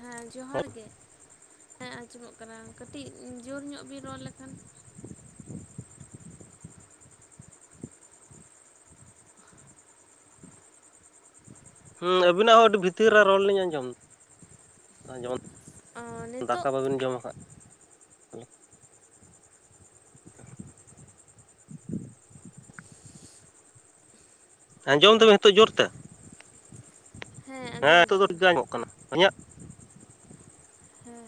ᱦᱮᱸ ᱡᱚᱦᱟᱨ ᱜᱮ, ᱦᱮᱸ ᱟᱸᱡᱚᱢᱚᱜ ᱠᱟᱱᱟ ᱠᱟᱹᱴᱤᱡ ᱡᱳᱨ ᱧᱚᱜ ᱵᱤᱱ ᱨᱚᱲ ᱞᱮᱠᱷᱟᱱ᱾ ᱦᱩᱸ ᱟᱵᱤᱱᱟᱜ ᱦᱚᱸ ᱟᱹᱰᱤ ᱵᱷᱤᱛᱤᱨ ᱨᱮ ᱨᱚᱲ ᱞᱤᱧ ᱟᱸᱡᱚᱢ᱾ ᱫᱟ ᱡᱚᱢ, ᱚ ᱱᱤᱛᱚᱜ ᱫᱟᱠᱟ ᱵᱟᱵᱤᱱ ᱡᱚᱢ ᱟᱠᱟᱜ ᱟᱸᱡᱚᱢ ᱫᱟᱵᱤᱱ ᱱᱤᱛᱳᱜ ᱡᱳᱨ ᱛᱮ? ᱦᱮᱸ ᱟᱸᱡᱚᱢ ᱱᱤᱛᱚᱜ ᱫᱚ ᱴᱷᱤᱠ ᱫᱟᱞᱤᱧ᱾ ᱜᱮ ᱟᱸᱡᱚᱢᱚᱜ ᱠᱟᱱᱟ ᱤᱧᱟᱹᱜ ᱦᱮᱸ,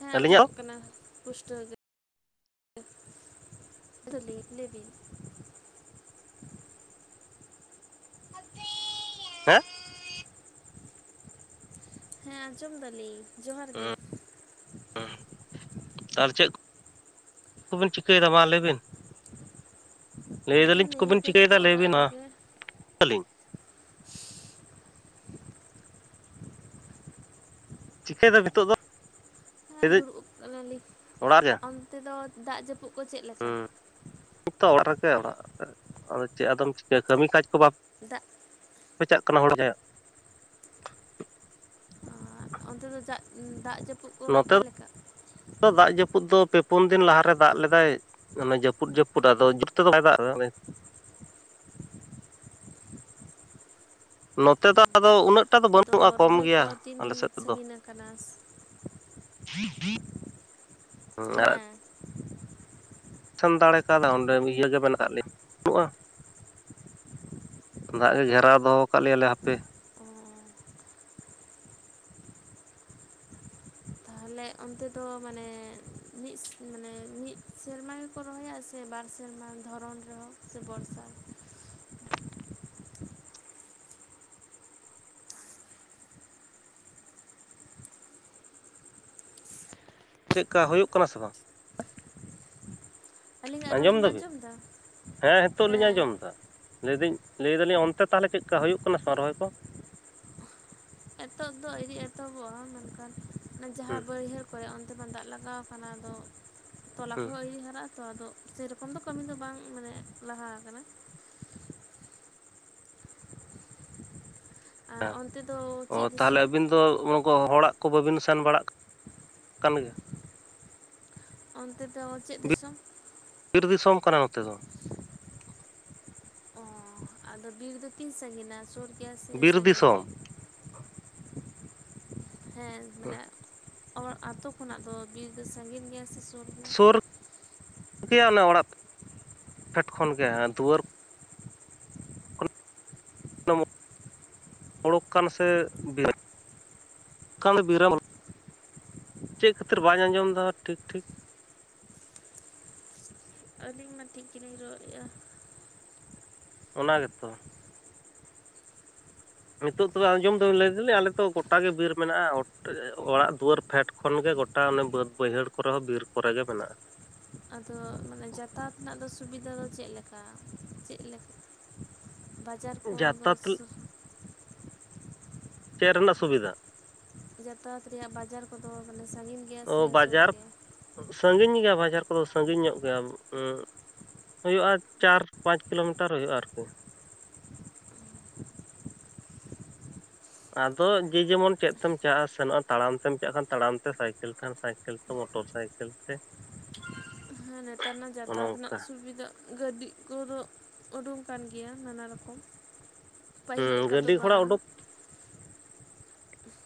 ᱦᱮᱸ ᱟᱹᱞᱤᱧᱟᱜ ᱟᱸᱡᱚᱢᱚᱜ ᱦᱚᱸ? ᱠᱟᱱᱟ ᱯᱩᱥᱴᱟᱹᱣ ᱜᱮ᱾ [inaudible] ᱞᱟᱹᱭ ᱵᱤᱱ᱾ ᱦᱮᱸ! ᱦᱮᱸ ᱟᱸᱡᱚᱢ ᱫᱟᱞᱤᱧ ᱡᱚᱦᱟᱨ ᱜᱮ᱾ ᱟᱨ ᱪᱮᱫ ᱠᱚᱵᱤᱱ ᱪᱤᱠᱟᱹᱭᱮᱫᱟ ᱢᱟ ᱞᱟᱹᱭ ᱵᱤᱱ? ᱟᱫᱚ ᱞᱟᱹᱭᱮᱫᱟᱞᱤᱧ ᱪᱮᱜ ᱱᱤᱭᱟᱹ ᱠᱚᱵᱤᱱ ᱜᱷᱟᱹᱲᱤᱡ ᱫᱚ ᱪᱤᱠᱟᱹᱭᱮᱫᱟ ᱞᱟᱹᱭ ᱚᱲᱟᱜ ᱵᱤᱱ ᱨᱮᱜᱮ [inaudible] ᱪᱤᱠᱟᱹᱭ ᱫᱟᱢ ᱱᱤᱛᱚᱜ ᱫᱚ? ᱦᱮᱸ ᱞᱟᱹᱭᱫᱟᱹᱧ ᱫᱩᱲᱩᱵ ᱠᱟᱱᱟᱞᱤᱧ, ᱚᱲᱟᱜ ᱨᱮ ᱚᱱᱛᱮ ᱫᱚ ᱫᱟᱜ ᱡᱟᱹᱯᱩᱜ ᱠᱚ ᱪᱮᱫ ᱞᱮᱠᱟ? ᱦᱩᱸ [inaudible] ᱛᱚ ᱚᱲᱟᱜ ᱨᱮᱜᱮ ᱚᱲᱟᱜ [inaudible] ᱟᱫᱚ ᱪᱮᱫ ᱟᱫᱚᱢ ᱪᱤᱠᱟᱹᱭᱟ ᱠᱟᱹᱢᱤ ᱠᱟᱡᱽ ᱠᱚ ᱵᱟᱢ ᱪᱮᱫᱟᱜ᱾ ᱵᱟᱯᱮ ᱪᱟᱜ ᱠᱟᱱᱟ [inaudible] ᱚᱱᱛᱮ ᱫᱟᱜ ᱩᱸ ᱫᱟᱜ ᱡᱟᱹᱯᱩᱫ ᱠᱚ ᱚᱠᱟ ᱞᱮᱠᱟ? ᱛᱚ ᱫᱟᱜ ᱡᱟᱹᱯᱩᱫ ᱫᱚ ᱯᱮ ᱯᱩᱱ ᱫᱤᱱ ᱞᱟᱦᱟᱨᱮ ᱫᱟᱜ ᱞᱮᱫᱟᱭ, ᱚᱱᱮ ᱡᱟᱹᱯᱩᱫ ᱡᱟᱹᱯᱩᱫ ᱟᱫᱚ ᱡᱩᱨ ᱛᱮᱫᱚ ᱵᱟᱭ ᱫᱟᱜ ᱮᱫᱟ [inaudible] ᱱᱚᱛᱮ ᱫᱚ ᱟᱫᱚ ᱩᱱᱟᱹᱜ ᱴᱟᱜ ᱫᱚ ᱟᱫᱚ ᱵᱟᱹᱱᱩᱜ-ᱟ ᱠᱚᱢ ᱨᱚᱦᱚᱭ ᱠᱚ ᱜᱮᱭᱟ, ᱛᱤᱱ ᱟᱞᱮ ᱥᱮᱫ ᱫᱚ᱾ ᱥᱟᱺᱜᱤᱧ ᱟᱠᱟᱱᱟ ᱦᱮᱸ᱾ ᱴᱷᱮᱱ ᱫᱟᱲᱮ ᱛᱟᱦᱚᱞᱮ ᱚᱸᱰᱮ ᱤᱭᱟᱹ ᱜᱮ [inaudible] ᱵᱟᱹᱱᱩᱜ-ᱟ᱾ ᱫᱟᱜ ᱜᱮ ᱜᱷᱮᱨᱟᱣ ᱫᱚᱦᱚ ᱠᱟᱜ ᱞᱮᱭᱟᱞᱮ ᱦᱟᱯᱮ, ᱚ ᱛᱟᱦᱚᱞᱮ ᱚᱱᱛᱮ ᱫᱚ ᱢᱟᱱᱮ, ᱢᱤᱫ ᱢᱟᱱᱮ ᱢᱤᱫ ᱥᱮᱨᱢᱟ ᱠᱚ ᱨᱚᱦᱚᱭᱟ ᱥᱮ ᱵᱟᱨ ᱥᱮᱨᱢᱟ ᱫᱷᱚᱨᱚᱱ ᱨᱮᱦᱚᱸ ᱥᱮ ᱵᱚᱨᱥᱟ ᱪᱮᱜᱠᱟ ᱦᱩᱭᱩᱜ ᱠᱟᱱᱟ ᱥᱮ ᱵᱟᱝ? ᱟᱹᱞᱤᱧᱟᱜ ᱨᱚᱲ ᱟᱸᱡᱚᱢ ᱵᱤᱱ ᱫᱟᱵᱤᱱ? ᱮᱫᱟ ᱦᱮᱸ ᱦᱤᱸᱛᱳᱜ ᱞᱤᱧ ᱟᱸᱡᱚᱢ ᱫᱟ᱾ ᱞᱟᱹᱭ ᱫᱤᱧ, ᱞᱟᱹᱭ ᱫᱟᱞᱤᱧ ᱚᱱᱛᱮ ᱛᱟᱦᱞᱮ ᱪᱮᱜᱠᱟ ᱦᱩᱭᱩᱜ ᱠᱟᱱᱟ ᱥᱮ ᱵᱟᱝ ᱨᱚᱦᱚᱭ ᱠᱚ? ᱦᱤᱸᱛᱳᱜ ᱫᱚ ᱟᱹᱨᱤ ᱮᱛᱚᱦᱚᱵᱚᱜ-ᱟ ᱢᱮᱱᱠᱷᱟᱱ ᱚᱱᱟ ᱦᱩᱸ ᱡᱟᱦᱟᱸ ᱵᱟᱹᱭᱦᱟᱹᱲ ᱠᱚᱨᱮ ᱚᱱᱛᱮ ᱢᱟ ᱫᱟᱜ ᱞᱟᱜᱟᱣ ᱠᱟᱱᱟ ᱟᱫᱚ ᱛᱚᱞᱟ ᱦᱩᱸ ᱠᱚᱦᱚᱸ ᱟᱹᱣᱨᱤ ᱦᱟᱨᱟᱜ-ᱟ ᱛᱚ, ᱟᱫᱚ ᱥᱮᱨᱚᱠᱚᱢ ᱫᱚ ᱠᱟᱹᱢᱤ ᱫᱚ ᱵᱟᱝ ᱢᱟᱱᱮ ᱞᱟᱦᱟ ᱠᱟᱱᱟ᱾ ᱟᱨ ᱦᱮᱸ, ᱚᱱᱛᱮ ᱫᱚ ᱚ ᱪᱮᱫ ᱛᱟᱦᱞᱮ ᱫᱤᱥᱚᱢ ᱟᱹᱵᱤᱱ ᱫᱚ [unintelligible] ᱠᱚ ᱦᱚᱲᱟᱜ ᱠᱚ ᱵᱟᱹᱵᱤᱱ ᱥᱮᱱ ᱵᱟᱲᱟᱜ ᱠᱟᱱ ᱜᱮᱭᱟ? ᱚᱱᱛᱮ ᱫᱚ ᱟᱵᱟᱨ ᱪᱮᱫ ᱫᱤᱥᱚᱢ? ᱵᱤᱨ ᱫᱤᱥᱚᱢ ᱠᱟᱱᱟ ᱱᱚᱛᱮ ᱫᱚ᱾ ᱚ ᱟᱫᱚ ᱵᱤᱨ ᱫᱚ ᱛᱤᱱ ᱥᱟᱺᱜᱤᱧᱟ ᱥᱩᱨ ᱜᱮᱭᱟ ᱥᱮ ᱵᱤᱨ ᱥᱟᱺᱜᱤᱧ ᱫᱤᱥᱚᱢ ᱜᱮᱭᱟ? ᱦᱮᱸ ᱢᱟᱱᱮ ᱚ ᱟᱛᱳ ᱠᱷᱚᱱᱟᱜ ᱫᱚ ᱵᱤᱨ ᱫᱚ ᱥᱟᱺᱜᱤᱧ ᱜᱮᱭᱟ ᱥᱮ ᱥᱩ ᱥᱩᱨ ᱜᱮᱭᱟ ᱚᱱᱮ ᱚᱲᱟᱜ ᱯᱷᱮᱰ ᱠᱷᱚᱱᱜᱮ ᱫᱩᱣᱟᱹᱨ ᱱᱚᱢᱚ ᱦᱳᱲᱳᱜ ᱠᱟᱱ ᱥᱮ [unintelligible] ᱠᱟᱱ ᱵᱤᱨᱟᱹᱢ, ᱪᱮᱫ ᱠᱷᱟᱹᱛᱤᱨ ᱵᱟᱹᱧ ᱟᱸᱡᱚᱢᱫᱟ ᱴᱷᱤᱠ ᱴᱷᱤᱠ? ᱟᱹᱞᱤᱧ ᱢᱟ ᱴᱷᱤᱠ ᱜᱮᱞᱤᱧ ᱨᱚᱜ ᱮᱜ-ᱟ᱾ ᱚᱱᱟ ᱜᱮᱛᱚ᱾ ᱱᱤᱛᱚᱜ ᱛᱚᱵᱮ ᱟᱸᱡᱚᱢ ᱫᱟ ᱞᱟᱹᱭ ᱫᱟᱞᱤᱧ ᱟᱞᱮᱛᱚ ᱜᱚᱴᱟᱜ ᱜᱮ ᱵᱤᱨ ᱢᱮᱱᱟᱜ-ᱟ ᱚᱲᱟᱜ ᱫᱩᱣᱟᱹᱨ᱾ ᱯᱷᱮᱰ ᱠᱷᱚᱱᱜ ᱜᱮ ᱜᱚᱴᱟ ᱚᱱᱮ ᱵᱟᱹᱫᱽ ᱵᱟᱹᱭᱦᱟᱹᱲ ᱠᱚᱨᱮ ᱦᱚᱸ ᱵᱤᱨ ᱠᱚᱨᱮ ᱜᱮ ᱢᱮᱱᱟᱜ-ᱟ᱾ ᱟᱫᱚ ᱢᱟᱱᱮ ᱡᱟᱛᱟᱭᱟᱛ ᱨᱮᱱᱟᱜ ᱫᱚ ᱥᱩᱵᱤᱫᱷᱟ ᱫᱚ ᱪᱮᱫ ᱞᱮᱠᱟ? ᱪᱮᱫ ᱞᱮ ᱵᱟᱡᱟᱨ ᱠᱚ ᱫᱚ ᱡᱟᱛᱟᱛ ᱥᱩᱨ ᱪᱮ ᱨᱮᱱᱟᱜ ᱥᱩᱵᱤᱫᱷᱟ? ᱡᱟᱛᱟᱭᱟᱛ ᱨᱮᱭᱟᱜ ᱵᱟᱡᱟᱨ ᱠᱚᱫᱚ ᱢᱟᱱᱮ ᱥᱟᱺᱜᱤᱧ ᱜᱮᱭᱟ ᱚ ᱥᱮ ᱥᱩᱨ ᱵᱟᱡᱟᱨ, ᱜᱮᱭᱟ ᱥᱟᱟᱹᱜᱤᱧ ᱜᱮᱭᱟ ᱵᱟᱡᱟᱨ ᱠᱚᱫᱚ ᱥᱟᱟᱹᱜᱤᱧ ᱧᱚᱜ ᱜᱮᱭᱟ, ᱩᱸᱜ᱾ ᱦᱳᱭᱳᱜ-ᱟ ᱪᱟᱨ ᱯᱟᱸᱪ ᱠᱤᱞᱳᱢᱤᱴᱟᱨ ᱦᱳᱭᱳᱜ-ᱟ ᱟᱨᱠᱤ᱾ ᱟᱫᱚ ᱡᱮ ᱡᱮᱢᱚᱱ ᱪᱮᱫ ᱛᱮᱢ ᱪᱟᱜ-ᱟ ᱥᱮᱱᱚᱜ-ᱟ ᱛᱟᱲᱟᱢ᱾ ᱛᱮᱢ ᱪᱟᱜ ᱠᱷᱟᱱ ᱛᱟᱲᱟᱢ ᱛᱮ ᱥᱟᱭᱠᱮᱞ ᱠᱷᱟᱱ ᱥᱟᱭᱠᱮᱞ ᱢᱚᱴᱚᱨ ᱥᱟᱭᱠᱮᱞ ᱛᱮ᱾ ᱦᱮᱸ ᱱᱮᱛᱟᱨ ᱨᱮᱱᱟᱜ ᱚᱱᱮ ᱡᱟᱛᱟᱭᱥᱛ ᱨᱮᱱᱟᱜ ᱚᱱᱠᱟ ᱥᱩᱵᱤᱫᱟ᱾ ᱜᱟᱹᱰᱤ ᱠᱚᱫᱚ ᱩᱰᱩᱝ ᱠᱟᱱ ᱜᱮᱭᱟ ᱱᱟᱱᱟ ᱨᱚᱠᱚᱢ᱾ ᱯᱟᱹᱦᱤᱞ ᱦᱮᱸ ᱞᱮᱠᱟ ᱫᱚ ᱜᱟᱹᱰᱤ ᱜᱷᱚᱲᱟ ᱵᱟᱝ᱾ ᱩᱰᱩᱠ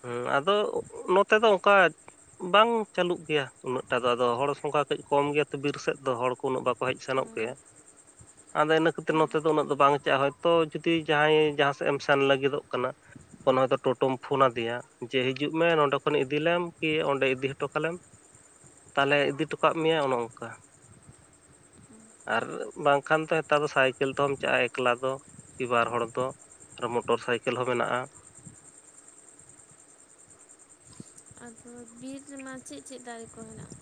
ᱦᱩᱸ ᱟᱫᱚ ᱱᱚᱛᱮ ᱫᱚ ᱚᱝᱠᱟ ᱵᱟᱝ ᱪᱟᱹᱞᱩᱜ ᱜᱮᱭᱟ ᱩᱱᱟᱹᱜ ᱴᱟ ᱫᱚ ᱟᱫᱚ ᱦᱚᱲ ᱥᱚᱝᱠᱟ ᱠᱟᱹᱡ ᱠᱚᱢ ᱜᱮᱭᱟ ᱛᱚ ᱵᱤᱨ ᱥᱮᱫ ᱫᱚ ᱦᱚᱲ ᱠᱚ ᱩᱱᱟᱹᱜ ᱵᱟᱠᱚ ᱦᱮᱡ ᱥᱮᱱᱚᱜ ᱜᱮᱭᱟ᱾ [inaudible] ᱟᱫᱚ ᱤᱱᱟᱹ ᱠᱷᱟᱹᱛᱤᱨ ᱦᱮᱸ ᱱᱚᱛᱮ ᱫᱚ ᱩᱱᱟᱹᱜ ᱫᱚ ᱵᱟᱝ ᱪᱮᱜ-ᱟ ᱦᱚᱭᱛᱳ ᱡᱩᱫᱤ ᱡᱟᱦᱟᱸᱭ ᱡᱟᱦᱟᱸ ᱥᱮᱜ ᱮᱢ ᱥᱮᱱ ᱞᱟᱹᱜᱤᱫᱚᱜ ᱠᱟᱱᱟ᱾ ᱚᱱᱟ ᱫᱚ ᱴᱳᱴᱳᱢ ᱯᱷᱳᱱᱟ ᱫᱮᱭᱟ, ᱡᱮ ᱦᱤᱡᱩᱜ ᱢᱮ ᱱᱚᱸᱰᱮ ᱠᱷᱚᱱ ᱤᱫᱤᱞᱮᱢ ᱠᱤ ᱚᱸᱰᱮ ᱤᱫᱤ ᱦᱚᱴᱚ ᱠᱟᱞᱮᱢ᱾ ᱛᱟᱦᱞᱮ ᱤᱫᱤ ᱦᱚᱴᱚ ᱠᱟᱜ ᱢᱮᱭᱟ ᱚᱱᱮ ᱚᱝᱠᱟ᱾ ᱟᱨ ᱵᱟᱝᱠᱷᱟᱱ ᱫᱚ ᱦᱮᱛᱟᱨ ᱫᱚ ᱥᱟᱭᱠᱮᱞ ᱛᱮᱦᱚᱢ ᱪᱟᱜ-ᱟ ᱮᱠᱞᱟ ᱫᱚ᱾ ᱠᱤ ᱵᱟᱨ ᱦᱚᱲ ᱫᱚ, ᱟᱨᱚ ᱢᱚᱴᱚᱨ ᱥᱟᱭᱠᱮᱞ ᱦᱚᱸ ᱢᱮᱱᱟᱜ-ᱟ᱾ ᱟᱫᱚ ᱵᱤᱨ ᱨᱮᱢᱟ ᱪᱮᱜ ᱪᱮᱜ ᱫᱟᱨᱮ ᱠᱚ ᱦᱮᱱᱟᱜ-ᱟ?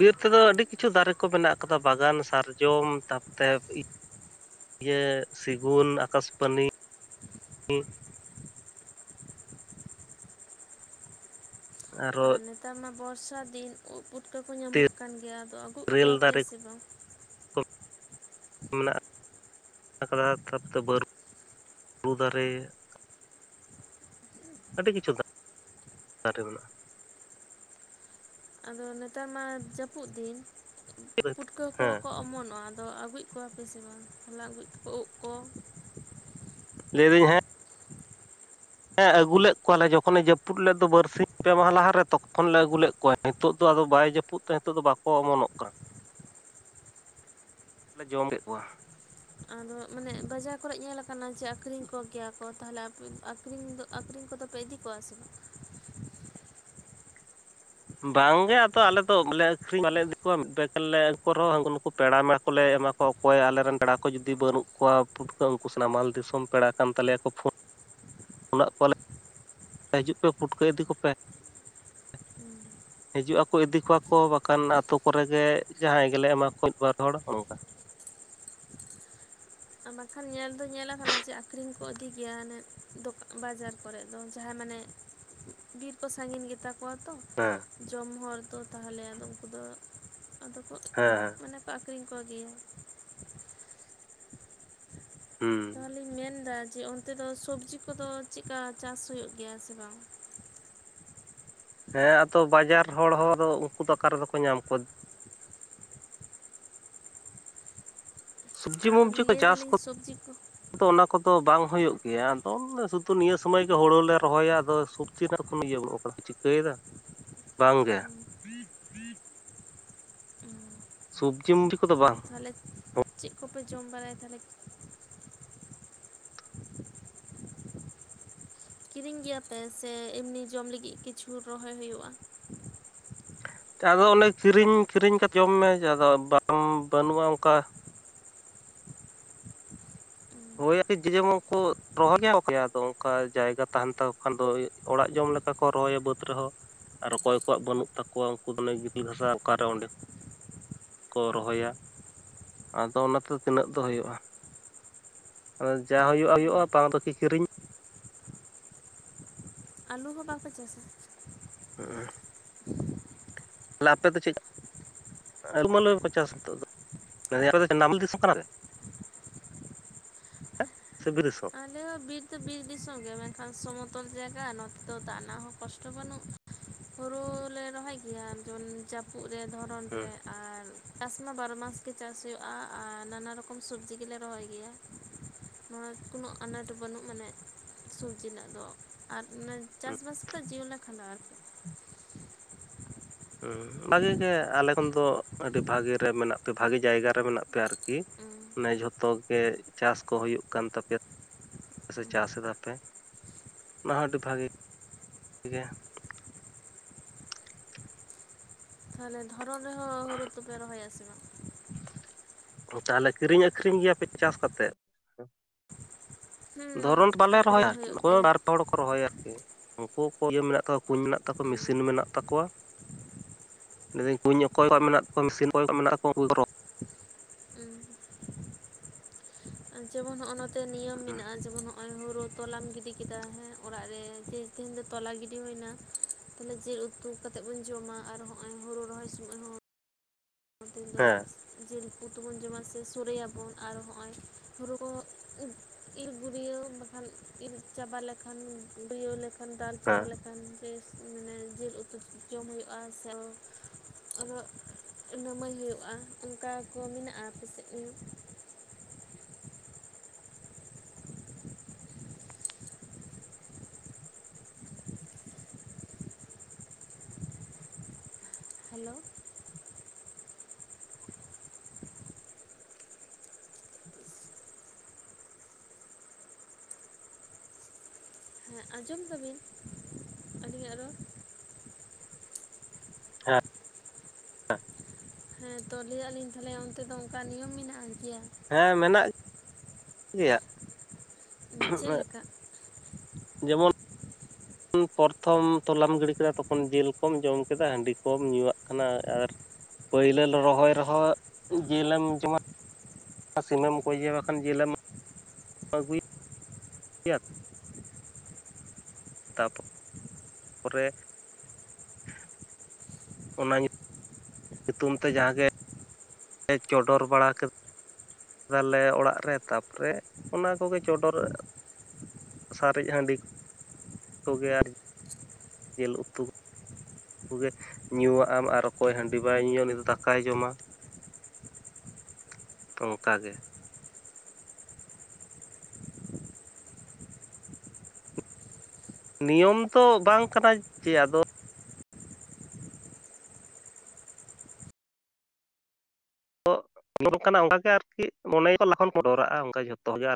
ᱵᱤᱨ ᱛᱮᱫᱚ ᱟᱹᱰᱤ ᱠᱤᱪᱷᱩ ᱫᱟᱨᱮ ᱠᱚ ᱢᱮᱱᱟᱜ ᱠᱟᱫᱟ ᱵᱟᱜᱟᱱ ᱥᱟᱨᱡᱚᱢ ᱛᱟᱯᱛᱮ ᱤᱭᱟᱹ ᱥᱮᱜᱩᱱ, ᱟᱠᱟᱥᱯᱟᱱᱤ᱾ ᱟᱨ ᱟᱨᱚ ᱱᱮᱛᱟᱨ ᱢᱟ ᱵᱚᱨᱥᱟ ᱫᱤᱱ ᱩᱫ ᱯᱩᱴᱟᱹ ᱠᱚ ᱧᱟᱢᱚᱜ ᱠᱟᱱ ᱜᱮᱭᱟ ᱟᱫᱚ ᱨᱮᱹᱞ ᱠᱚᱣᱟᱯᱮ ᱫᱟᱨᱮ [inaudible] ᱢᱮᱱᱟᱜ ᱟᱠᱟᱫᱟ ᱛᱟᱯᱚᱨᱮ ᱵᱟᱹᱨᱩ ᱫᱟᱨᱮ᱾ ᱟᱹᱰᱤ ᱠᱤᱪᱷᱩ ᱫᱟᱨᱮ ᱢᱮᱱᱟᱜᱼᱟ᱾ ᱟᱫᱚ ᱱᱮᱛᱟᱨ ᱢᱟ ᱡᱟᱹᱯᱩᱫ ᱫᱤᱱ ᱢᱮᱱᱟᱜᱼᱟ ᱯᱩᱴᱠᱟᱹ ᱠᱚᱦᱚᱸ ᱦᱮᱸ ᱠᱚ ᱚᱢᱚᱱᱚᱜᱼᱟ᱾ ᱟᱫᱚ ᱟᱹᱜᱩᱡ ᱠᱚᱣᱟᱯᱮ ᱥᱮ ᱵᱟᱝ ᱦᱚᱚᱞᱮ ᱟᱹᱜᱩᱡᱠᱚ ᱩᱵ ᱠᱚ ᱞᱟᱹᱭ ᱮᱫᱟᱹᱧ ᱦᱮᱸ ᱦᱮᱸ ᱟᱹᱜᱩᱞ ᱞᱮᱫ ᱠᱚᱣᱟᱞᱮ ᱡᱚᱠᱷᱚᱱᱮ ᱡᱟᱹᱯᱩᱫ ᱞᱮᱫ ᱫᱚ ᱵᱟᱨᱥᱤᱧ ᱯᱮ ᱢᱟᱦ ᱞᱟᱦᱟᱨ ᱨᱮ ᱛᱚᱠᱷᱚᱱ ᱞᱮ ᱟᱹᱜᱩᱞ ᱞᱮᱫ ᱠᱚᱣᱟ ᱱᱤᱛᱚᱜ ᱫᱚ ᱟᱫᱚ ᱵᱟᱭ ᱡᱟᱹᱯᱩᱫ ᱨᱟᱹᱯᱩᱫ ᱛᱮ ᱱᱤᱛᱚᱜ ᱫᱚ ᱵᱟᱠᱚ ᱚᱢᱚᱱᱚᱜ ᱠᱟᱱᱟ᱾ [inaudible] ᱞᱮ ᱡᱚᱢ ᱠᱮᱫ ᱠᱚᱣᱟ᱾ ᱟᱫᱚ ᱢᱟᱱᱮ ᱵᱟᱡᱟᱨ ᱠᱚᱨᱮ ᱧᱮᱞᱞᱟ ᱟᱠᱟᱱᱟ ᱡᱮ ᱟᱠᱠᱷᱨᱤᱧ ᱠᱚᱜᱮᱭᱟ ᱠᱚ᱾ ᱛᱟᱦᱚᱞᱮᱯᱮ ᱟᱹᱠᱷᱨᱤᱧ ᱫᱚ ᱟᱹᱠᱷᱨᱤᱧ ᱠᱚᱫᱚᱯᱮ ᱤᱫᱤ ᱠᱚᱣᱟ ᱥᱮ ᱵᱟᱝ ᱵᱟᱝᱜᱮ ᱟᱫᱚ ᱟᱞᱮ ᱫᱚᱮ ᱟᱹᱠᱷᱨᱤᱧ ᱵᱟᱞᱮ ᱤᱫᱤ ᱠᱚᱣᱟ ᱢᱤᱫ ᱵᱟᱱ ᱞᱮ ᱩᱱ ᱨᱮᱦᱚᱸ ᱩᱱᱠᱩ ᱱᱩᱠᱩ ᱯᱮᱲᱟ ᱢᱮᱲᱟ ᱠᱚᱞᱮ ᱮᱢᱟ ᱠᱚᱣᱟ᱾ ᱚᱠᱚᱭ ᱟᱞᱮᱨᱮᱱ ᱯᱮᱲᱟ ᱠᱚ ᱡᱩᱫᱤ ᱵᱟᱹᱱᱩᱜ ᱠᱚᱣᱟ ᱯᱩᱴᱠᱟᱹ ᱩᱱᱠᱩ ᱥᱟᱱᱟᱢᱟᱞ ᱫᱤᱥᱚᱢ ᱯᱮᱲᱟ ᱠᱟᱱ ᱛᱟᱞᱮᱭᱟᱠᱚ ᱯᱷ [inaudible] ᱠᱚᱣᱟᱞᱮ ᱦᱤᱡᱩᱜ ᱯᱮ ᱯᱩᱴᱠᱟᱹ ᱤᱫᱤ ᱠᱚᱯᱮ ᱦᱩᱸ ᱦᱤᱡᱩᱜ ᱟᱠᱚ ᱤᱫᱤ ᱠᱚᱣᱟ ᱠᱚ ᱵᱟᱠᱷᱟᱱ ᱟᱛᱳ ᱠᱚᱨᱮ ᱜᱮᱮ ᱡᱟᱦᱟᱸᱭ ᱜᱮᱞᱮ ᱮᱢᱟ ᱠᱚ ᱵᱟᱨ ᱦᱚᱲ ᱚᱱᱠᱟ᱾ ᱵᱟᱠᱷᱟᱱ ᱧᱮᱞ ᱫᱚ ᱧᱮᱞᱟ ᱟᱠᱟᱱᱟ ᱡᱮ ᱟᱠᱷᱨᱤᱧ ᱠᱚ ᱤᱫᱤ ᱜᱮᱭᱟ ᱟᱱᱮ ᱫᱚᱟᱱ ᱵᱟᱡᱟᱨ ᱠᱚᱨᱮᱮᱫ ᱫᱚ ᱡᱟᱦᱟᱸᱭ ᱢᱟᱱᱮ ᱵᱤᱨ ᱠᱚ ᱥᱟᱺᱜᱤᱧ ᱜᱮᱛᱟ ᱠᱚᱣᱟ ᱛᱚ ᱦᱮᱸ ᱡᱚᱢ ᱦᱚᱲ ᱛᱚ ᱛᱟᱦᱚᱞᱮ ᱟᱫᱚ ᱩᱱᱠᱩ ᱫᱚ ᱟᱫᱚ ᱠᱚ ᱦᱮᱸ ᱦᱮᱸ ᱢᱟᱱᱮ ᱠᱚ ᱟᱹᱷᱨᱤᱧ ᱠᱚᱜᱮᱭᱟ᱾ ᱦᱩᱸ ᱛᱟᱦᱚᱞᱮᱧ ᱢᱮᱱ ᱮᱫᱟ ᱡᱮ ᱚᱱᱛᱮ ᱫᱚ ᱥᱚᱵᱽᱡᱤ ᱠᱚᱫᱚ ᱪᱮᱫᱠᱟ ᱪᱟᱥ ᱦᱩᱭᱩᱜ ᱜᱮᱭᱟ ᱥᱮ ᱵᱟᱝ? ᱦᱮᱸ ᱟᱫᱚ ᱵᱟᱡᱟᱨ ᱦᱚᱲ ᱦᱚᱸ ᱩᱱᱠᱩ ᱫᱚ ᱚᱠᱟᱟᱨ ᱨᱮᱫᱚ ᱠᱚ ᱧᱟᱢ ᱠᱚᱣᱟ᱾ ᱥᱚᱵᱽᱡᱤ ᱟᱨ ᱢᱚᱵᱡᱤ ᱠᱚ ᱞᱟᱹᱭ ᱪᱟᱥ ᱫᱟᱞᱤᱧ ᱠᱚ ᱥᱚᱵᱽᱡᱤ ᱠᱚ ᱫᱚ ᱚᱱᱟ ᱠᱚᱫᱚ ᱵᱟᱝ ᱦᱩᱭᱩᱜ ᱜᱮᱭᱟ ᱟᱫᱚ ᱥᱩᱫᱷᱩ ᱱᱤᱭᱟᱹ ᱥᱩᱚᱢᱚᱭ ᱜᱮ ᱦᱩᱲᱩ ᱞᱮ ᱨᱚᱦᱚᱭᱟ ᱟᱫᱚ᱾ ᱛᱤᱱᱟ ᱨᱚᱠᱚᱢ ᱤᱭᱟᱹᱟᱹᱱ ᱠᱟᱱᱟ ᱪᱤᱠᱟᱹᱭᱮᱫᱟ ᱵᱟᱝᱜᱮ ᱥᱚᱵᱽᱡᱤ ᱢᱚᱵᱡᱤ ᱠᱚᱫᱚ ᱵᱟᱝ ᱛᱟᱦᱚᱞᱮ ᱪᱮᱫ ᱠᱚᱯᱮ ᱡᱚᱢ ᱵᱟᱲᱟᱭᱟ ᱛᱟᱦᱚᱞᱮ᱾ ᱠᱤᱨᱤᱧ ᱜᱮᱭᱟᱯᱮ ᱥᱮ ᱮᱢᱱᱤ ᱡᱚᱢ ᱞᱟᱹᱜᱤᱫ ᱠᱤᱪᱷᱩ ᱨᱚᱦᱚᱭ ᱦᱩᱭᱩᱜᱼᱟ᱾ ᱟᱫᱚ ᱚᱱᱮ ᱠᱤᱨᱤᱧ ᱠᱤᱨᱤᱧ ᱠᱟᱛᱮᱮᱫ ᱡᱚᱢ ᱢᱮᱮ ᱟᱫᱚ ᱵᱟ ᱵᱟᱹᱱᱩᱜᱼᱟ ᱚᱱᱠᱟ᱾ ᱦᱳᱭᱠᱤ ᱡᱮᱢᱚᱱ ᱠᱚ ᱨᱚᱦᱚ ᱜᱮᱭᱟ ᱠᱮᱭᱟ ᱟᱫᱚ ᱚᱱᱠᱟ ᱡᱟᱭᱜᱟ ᱛᱟᱦᱮᱱ ᱛᱟᱠᱚ ᱠᱷᱟᱱ ᱫᱚ᱾ ᱚᱲᱟᱜ ᱡᱚᱢ ᱞᱮᱠᱟ ᱠᱚ ᱨᱚᱦᱚᱭᱟ ᱵᱟᱹᱫᱽ ᱨᱮᱦᱚᱸ ᱟᱨ ᱚᱠᱚᱭ ᱠᱚᱣᱟᱜ ᱵᱟᱹᱱᱩᱜ ᱛᱟᱠᱚᱣᱟ ᱩᱱᱠᱩ ᱫᱚ ᱚᱱᱮ ᱜᱤᱛᱤᱞ ᱵᱷᱟᱥᱟ ᱚᱠᱟᱨᱮ ᱚᱸᱰᱮ ᱠᱚ ᱨᱚᱦᱚᱭᱟ ᱟᱫᱚ ᱚᱱᱟᱛᱮ ᱛᱤᱱᱟᱹᱜ ᱫᱚ ᱦᱩᱭᱩᱜᱼᱟ᱾ ᱡᱟ ᱦᱩᱭᱩᱜ ᱦᱩᱭᱩᱜᱼᱟ ᱵᱟᱝ ᱫᱚ ᱠᱤᱨ ᱠᱤᱨᱤᱧ ᱟᱹᱞᱩ ᱦᱚᱸ ᱵᱟᱠᱚ ᱪᱟᱥᱟ᱾ [inaudible] ᱛᱟᱦᱮ ᱟᱯᱮ ᱫᱚ ᱪᱮᱫ ᱟᱹᱞᱩ ᱢᱟᱞᱩ ᱠᱚ ᱪᱟᱥ ᱱᱤᱛᱚᱜ ᱫᱚ ᱱᱟᱢᱟᱞ ᱫᱤᱥᱚᱢ ᱠᱟᱱᱟ᱾ [inaudible] ᱦᱮᱸ ᱥᱮ ᱵᱤᱨ ᱫᱤᱥᱚᱢ ᱟᱞᱮ ᱵᱤᱨ ᱫᱚ ᱵᱤᱨ ᱫᱤᱥᱚᱢ ᱜᱮ ᱢᱮᱱᱠᱷᱟᱱ ᱥᱚᱢᱚᱛᱚᱞ ᱡᱟᱭᱜᱟ ᱱᱚᱛᱮ ᱫᱚ ᱫᱟᱜ ᱨᱮᱱᱟᱜ ᱦᱚᱸ ᱠᱚᱥᱴᱚ ᱵᱟᱹᱱᱩᱜᱼᱟ᱾ ᱦᱩᱲᱩ ᱞᱮ ᱨᱚᱦᱚᱭ ᱜᱮᱭᱟ ᱡᱮᱢᱚᱱ ᱡᱟᱹᱯᱩᱫ ᱨᱮ ᱫᱷᱚᱨᱚᱱ ᱦᱩᱸ ᱨᱮ ᱟᱨ ᱪᱟᱥ ᱢᱟ ᱵᱟᱨᱚ ᱢᱟᱥ ᱜᱮ ᱪᱟᱥ ᱦᱩᱭᱩᱜᱼᱟ, ᱟᱨ ᱱᱟᱱᱟ ᱨᱚᱠᱚᱢ ᱥᱚᱵᱽᱡᱤ ᱜᱮᱞᱮ ᱨᱚᱦᱚᱭ ᱜᱮᱭᱟ᱾ ᱱᱚᱣᱟ ᱠᱳᱱᱳ ᱟᱱᱟᱴ ᱵᱟᱹᱱᱩᱜ ᱢᱟᱱᱮ ᱥᱚᱵᱽᱡᱤ ᱨᱮᱱᱟᱜ ᱫᱚ ᱾ ᱟᱨ ᱚᱱᱟ ᱦᱩᱸ ᱪᱟᱥᱵᱟᱥ ᱠᱟᱛᱮᱜ ᱡᱤᱭᱚᱱ ᱞᱮ ᱠᱷᱟᱸᱰᱟᱣᱟ ᱟᱨᱠᱤ ᱾ ᱦᱩᱸ ᱵᱷᱟᱜᱤ ᱜᱮ ᱟᱞᱮ ᱠᱷᱚᱱ ᱫᱚ ᱟᱹᱰᱤ ᱵᱷᱟᱜᱤ ᱨᱮ ᱢᱮᱱᱟᱜ ᱯᱮ, ᱵᱷᱟᱜᱤ ᱡᱟᱭᱜᱟ ᱨᱮ ᱢᱮᱱᱟᱜ ᱯᱮᱭᱟ ᱟᱨᱠᱤ [inaudible] ᱚᱱᱮ ᱡᱷᱚᱛᱚ ᱜᱮ ᱪᱟᱥ ᱠᱚ ᱦᱳᱭᱳᱜ ᱠᱟᱱ ᱛᱟᱯᱮᱭᱟ ᱥᱮ ᱪᱟᱥ ᱮᱫᱟ ᱯᱮ ᱾ ᱚᱱᱟ ᱦᱚᱸ ᱟᱹᱰᱤ ᱵᱷᱟᱜᱮ ᱜᱮ ᱾ ᱛᱟᱦᱚᱞᱮ, ᱫᱷᱚᱨᱚᱱ ᱨᱮᱦᱚᱸ ᱦᱳᱲᱳ ᱛᱚᱯᱮ ᱨᱚᱦᱚᱭᱟ ᱥᱮ ᱵᱟᱝ? ᱛᱟᱦᱚᱞᱮ ᱠᱤᱨᱤᱧ ᱟᱹᱠᱷᱨᱤᱧ ᱜᱮᱭᱟ ᱯᱮ ᱪᱟᱥ ᱠᱟᱛᱮᱫ? ᱦᱩᱸ ᱫᱷᱚᱨᱚᱱ ᱵᱟᱞᱮ ᱨᱚᱦᱚᱭᱟ ᱟᱠᱷᱨᱤᱧ ᱦᱩᱭᱩᱜ [inaudible] ᱜᱮᱭᱟ᱾ ᱵᱟᱨ ᱯᱮ ᱦᱚᱲ ᱨᱚᱦᱚᱭᱟ ᱟᱨᱠᱤ ᱩᱱᱠᱩ ᱠᱚ ᱜᱮ ᱢᱮᱱᱟᱜ ᱠᱩᱧ ᱢᱮᱱᱟᱜ ᱛᱟᱠᱚᱣᱟ, ᱩᱸ ᱢᱮᱥᱤᱱ ᱢᱮᱱᱟᱜ ᱛᱟᱠᱚᱣᱟ ᱢᱮᱫᱟᱹᱧ ᱠᱩᱧ ᱚᱠᱚᱭ ᱠᱚᱣᱟᱜ ᱢᱮᱱᱟᱜ ᱠᱚᱣᱟ, ᱢᱮᱥᱤᱱ ᱚᱠᱚᱭ ᱠᱚ ᱢᱮᱱᱟᱜ ᱠᱚᱣᱟ ᱩᱱᱠᱩ ᱫᱚ ᱩᱸ ᱡᱮᱢᱚᱱ ᱦᱚᱜᱼᱚᱭ ᱱᱚᱛᱮ ᱱᱤᱭᱚᱢ ᱢᱮᱱᱟᱜᱼᱟ ᱡᱮᱢᱚᱱ ᱱᱚᱜᱼᱚᱭ ᱦᱳᱲᱳ ᱛᱚᱞᱟᱢ ᱜᱤᱰᱤ ᱠᱮᱫᱟ ᱦᱮᱸ ᱚᱲᱟᱜ ᱨᱮ ᱛᱮᱦᱤᱧ ᱫᱚ ᱛᱚᱞᱟ ᱜᱤᱰᱤ ᱦᱩᱭᱱᱟ ᱾ ᱛᱟᱦᱚᱞᱮ ᱡᱮᱞ ᱩᱛᱩ ᱠᱟᱛᱮᱫ ᱵᱚᱱ ᱡᱚᱢᱟ, ᱟᱨ ᱦᱚᱸᱜ ᱚᱭ ᱦᱳᱲᱳ ᱨᱚᱦᱚᱭ ᱥᱚᱢᱚᱭ ᱦᱚᱸ ᱦᱮᱸ [unintelligible] ᱡᱤᱞ ᱩᱛᱩ ᱛᱮᱵᱚᱱ ᱡᱚᱢᱟ ᱥᱮ ᱥᱳᱲᱮᱭᱟᱵᱚᱱ ᱟᱨ ᱦᱚᱸᱜᱼᱚᱭ ᱦᱩᱲᱩ ᱠᱚ ᱤᱨ ᱜᱩᱨᱭᱟᱹᱣ ᱵᱟᱠᱷᱟᱱ ᱤᱨ ᱪᱟᱵᱟ ᱞᱮᱠᱷᱟᱱ ᱜᱩᱨᱭᱟᱹᱣ ᱞᱮᱠᱷᱟᱱ ᱫᱟᱞ ᱪᱟᱵᱟ ᱦᱮᱸ ᱞᱮᱠᱷᱟᱱ ᱢᱟᱱᱮ ᱡᱤᱞ ᱩᱛᱩ ᱡᱚᱢ ᱦᱩᱭᱩᱜᱼᱟ ᱥᱮ [inaudible] ᱱᱟᱢᱟᱹᱭ ᱦᱳᱭᱳᱜᱼᱟ, ᱚᱱᱠᱟ ᱠᱚ ᱢᱤᱱᱟᱜᱼᱟ ᱟᱯᱮᱥᱮᱫ ᱦᱮᱞᱳ ᱾ ᱦᱮᱸ ᱟᱸᱡᱚᱢ ᱫᱟᱵᱤᱱ, ᱟᱹᱞᱤᱧᱟᱜ ᱨᱚᱲ? ᱦᱮᱸ ᱛᱚ ᱞᱟᱹᱭᱟ ᱟᱞᱤᱧ ᱛᱟᱦᱚᱞᱮ ᱚᱱᱛᱮ ᱫᱚ ᱚᱱᱠᱟ ᱱᱤᱭᱚᱢ ᱢᱮᱱᱟᱜ-ᱟ ᱜᱮᱭᱟ ᱾ ᱦᱮᱸ ᱢᱮᱱᱟᱜ ᱜᱮᱭᱟ ᱾ ᱪᱮᱫ ᱞᱮᱠᱟ ᱡᱮᱢᱚᱱ [inaudible] ᱯᱚᱨᱛᱷᱚᱢ ᱛᱚᱞᱟᱢ ᱜᱤᱰᱤ ᱠᱮᱫᱟ, ᱛᱚᱠᱷᱚᱱ ᱡᱮᱞ ᱠᱚᱢ ᱡᱚᱢ ᱠᱮᱫᱟ, ᱦᱟᱺᱰᱤ ᱠᱚᱢ ᱧᱩᱣᱟᱜ ᱠᱟᱱᱟ ᱟᱨ ᱯᱟᱹᱭᱞᱟᱹ ᱨᱚᱦᱚᱭ ᱨᱮᱦᱚᱸ ᱡᱮᱞᱮᱢ ᱡᱚᱢᱟ ᱥᱤᱢᱮᱢ ᱜᱚᱡᱮᱭᱟ ᱵᱟᱠᱷᱟᱱ ᱡᱮᱞᱮᱢ [inaudible] ᱟᱹᱜᱩ ᱛᱟᱯᱚᱨᱮ ᱚᱱᱟ ᱧᱩᱛᱩᱢ ᱛᱮ ᱡᱟᱦᱟᱸ ᱜᱮ ᱪᱚᱰᱚᱨ ᱵᱟᱲᱟ ᱛᱟᱞᱮ ᱚᱲᱟᱜ ᱨᱮ ᱛᱟᱯᱚᱨᱮ ᱚᱱᱟ ᱠᱚᱜᱮ ᱪᱚᱰᱚᱨ ᱥᱟᱨᱮᱡ ᱦᱟᱺᱰᱤ ᱠᱚᱜᱮ ᱟᱨ ᱡᱮᱞ ᱩᱛᱩ ᱠᱚᱜᱮ ᱧᱩᱣᱟᱜ ᱟᱢ ᱟᱨ ᱚᱠᱚᱭ ᱦᱟᱺᱰᱤ ᱵᱟᱭ ᱧᱩᱭᱟ, ᱩᱱᱤ ᱫᱚ ᱫᱟᱠᱟᱭ ᱡᱚᱢᱟ ᱾ ᱛᱚ ᱚᱱᱠᱟ ᱜᱮ ᱾ ᱱᱤᱭᱚᱢ ᱫᱚ ᱵᱟᱝ ᱠᱟᱱᱟ ᱪᱮ, ᱟᱫᱚ [inaudible] ᱠᱟᱱᱟ ᱚᱱᱟ ᱜᱮ ᱟᱨᱠᱤ ᱢᱚᱱᱮ [inaudible] ᱚᱱᱠᱟ ᱡᱷᱚᱛᱚ ᱜᱮ ᱟᱨ